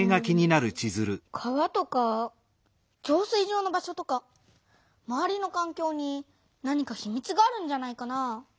川とか浄水場の場所とかまわりのかんきょうに何かひみつがあるんじゃないかな？